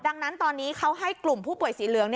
ดังนั้นตอนนี้เขาให้กลุ่มผู้ป่วยสีเหลือง